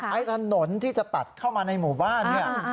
ไอ้ถนนที่จะตัดเข้ามาในหมู่บ้านเนี่ย